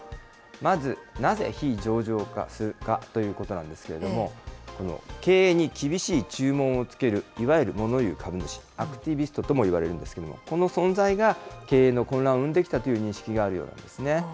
まず、なぜ非上場化するかということなんですけれども、経営に厳しい注文をつける、いわゆるもの言う株主、アクティビストともいわれるんですけれども、この存在が経営の混乱を生んできたという認識があるようなんですね。